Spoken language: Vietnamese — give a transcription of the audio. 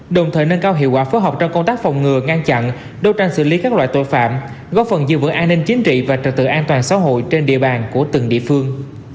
đồng thời nâng cao hiệu quả phối hợp trong công tác phòng ngừa ngăn chặn đấu tranh xử lý các loại tội phạm góp phần giữ vững an ninh chính trị và trật tự an toàn xã hội trên địa bàn của từng địa phương